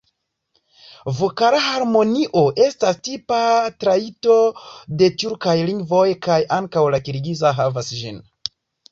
Vokala harmonio estas tipa trajto de tjurkaj lingvoj, kaj ankaŭ la kirgiza havas ĝin.